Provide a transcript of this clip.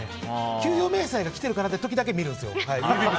給与明細が来ている時だけは見るんですよ。